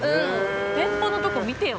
店舗のところ、見てよ。